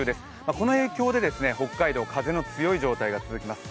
この影響で北海道、風の強い状態が続きます。